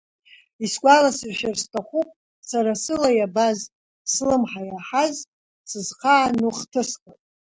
Исгәаласыршәар сҭахуп сара сыла иабаз, слымҳа иаҳаз сызхаану хҭысқәак.